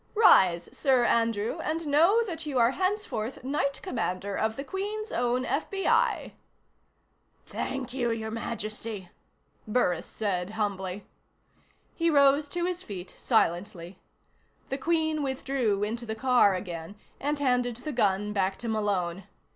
Rise, Sir Andrew, and know that you are henceforth Knight Commander of the Queen's Own FBI." "Thank you, Your Majesty," Burris said humbly. He rose to his feet silently. The Queen withdrew into the car again and handed the gun back to Malone.